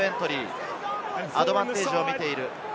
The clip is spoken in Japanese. アドバンテージを見ている。